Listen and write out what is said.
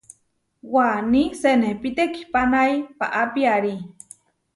Waní senepí tekihpanái paá piarí.